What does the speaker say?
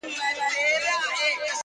بې دلیله څارنواله څه خفه وي-